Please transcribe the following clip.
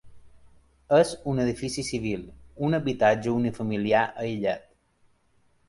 És un edifici civil, un habitatge unifamiliar aïllat.